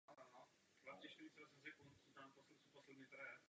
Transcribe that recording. Ta na něho čeká.